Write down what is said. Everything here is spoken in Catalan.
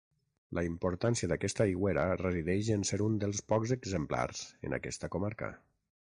La importància d'aquesta aigüera resideix en ser un dels pocs exemplars en aquesta comarca.